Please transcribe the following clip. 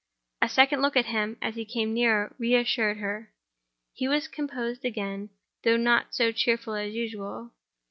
A second look at him, as he came nearer, re assured her. He was composed again, though not so cheerful as usual.